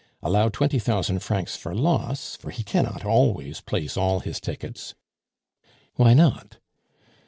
Allow twenty thousand francs for loss, for he cannot always place all his tickets " "Why not?"